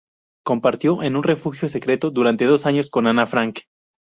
Compartió en un refugio secreto durante dos años con Ana Frank.